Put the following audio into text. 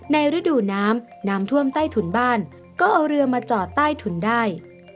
ฤดูน้ำน้ำท่วมใต้ถุนบ้านก็เอาเรือมาจอดใต้ถุนได้